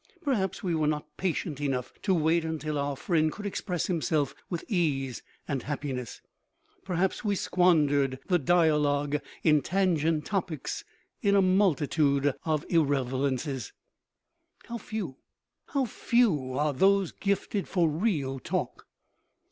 Perhaps we were not patient enough to wait until our friend could express himself with ease and happiness. Perhaps we squandered the dialogue in tangent topics, in a multitude of irrelevances. How few, how few are those gifted for real talk!